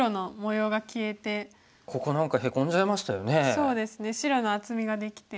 そうですね白の厚みができて。